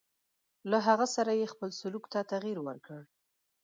له هغه سره یې خپل سلوک ته تغیر ورکړ.